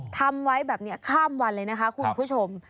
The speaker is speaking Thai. ทำไว้แบบนี้ข้ามวันเลยนะคะคุณผู้ชม